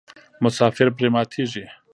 مسافر پرې ماتیږي.